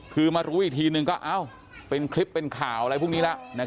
คือมารู้อีกทีนึงก็เป็นคลิปเป็นข่าวอะไรพวกนี้แล้ว